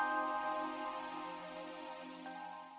aku mau ke tempat yang sama